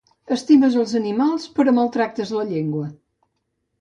Estimes els animals però maltractes la llengua